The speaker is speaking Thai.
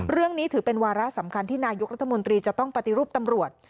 เรื่องนี้ถือเป็นวาระสำคัญที่นายกรัฐมนตรีจะต้องปฏิรูปตำรวจ